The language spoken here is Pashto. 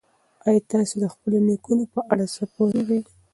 ایا تاسي د خپلو نیکونو په اړه څه پوهېږئ؟